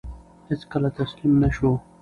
هیڅکله تسلیم نه شو.